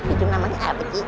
itu namanya apa ci